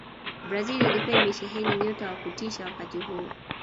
brazil ilikuwa imesheheni nyota wa kutisha wakati huo